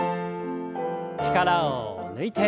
力を抜いて。